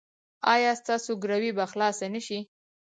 ایا ستاسو ګروي به خلاصه نه شي؟